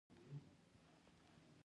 حال پرېږدي نه.